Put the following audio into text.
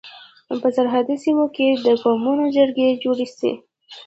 په سرحدي سيمو کي د قومونو جرګي جوړي سي.